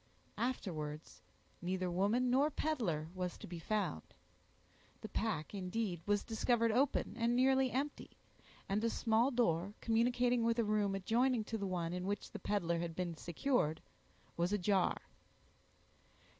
Afterwards, neither woman nor peddler was to be found. The pack, indeed, was discovered open, and nearly empty, and a small door, communicating with a room adjoining to the one in which the peddler had been secured, was ajar.